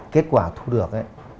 kết quả thu được